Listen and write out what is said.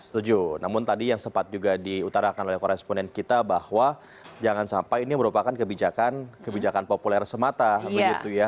setuju namun tadi yang sempat juga diutarakan oleh koresponen kita bahwa jangan sampai ini merupakan kebijakan populer semata begitu ya